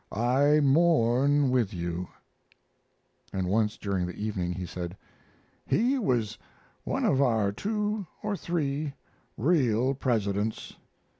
I mourn with you. And once during the evening he said: "He was one of our two or three real Presidents.